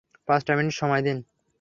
পাঁচটা মিনিট সময় দিন!